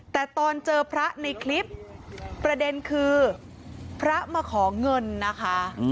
แต่ตอนเจอพระในคลิปประเด็นคือพระมาขอเงินนะคะ